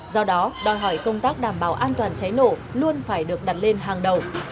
do đó đòi hỏi công tác đảm bảo an toàn cháy nổ luôn phải được đặt lên hàng đầu